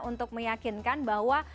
untuk meyakinkan bahwa